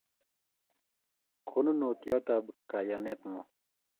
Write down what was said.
Konunotiot ab kayanet ng'uung